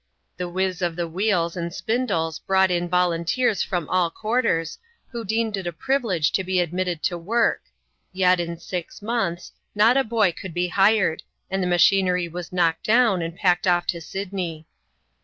The whiz of the wheels and spindles brought in volunteers from all quarters, who deemed it a privilege to be admitted to work : yet, in six months, not a boy could be hired ; and the machinery was knocked' down, and packed off to Sydney.